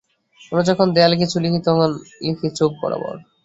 আমরা যখন দেয়ালে কিছু লিখি তখন লিখি চোখ বরাবর।